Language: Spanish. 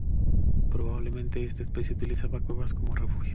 Probablemente esta especie utilizaba cuevas como refugio.